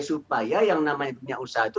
supaya yang namanya dunia usaha itu